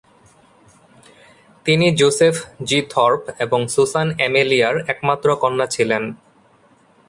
তিনি Joseph G. Thorpe এবং Susan এমেলিয়ার একমাত্র কন্যা ছিলেন।